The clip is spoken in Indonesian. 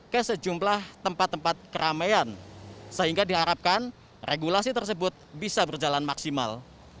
ke sejumlah tempat tempat keramaian sehingga diharapkan regulasi tersebut bisa berjalan maksimal